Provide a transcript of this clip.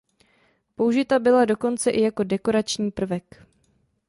Použita byla dokonce i jako dekorační prvek.